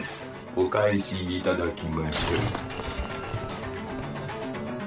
お返しいただきましょう。